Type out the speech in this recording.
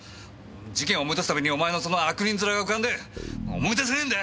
事件を思い出すたびにお前のその悪人面が浮かんで思い出せねえんだよ！